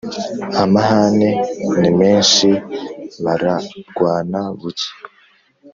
Amahane ni menshi bararwana bucye